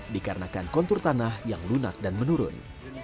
dikarenakan kontur tanah yang lunak dan menurun